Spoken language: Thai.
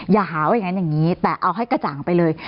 อย่าหาว่าอย่างนั้นอย่างนี้แต่เอาให้กระจ่างไปเลย